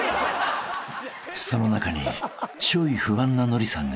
［その中にチョイ不安なノリさんが］